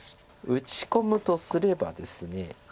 打ち込むとすればですね。